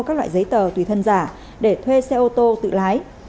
các loại giấy tờ tùy thân giả để thuê xe ô tô tự lái